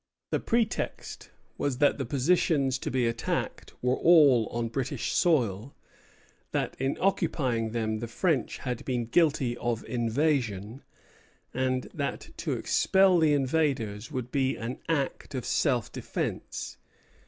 The pretext was that the positions to be attacked were all on British soil; that in occupying them the French had been guilty of invasion; and that to expel the invaders would be an act of self defence.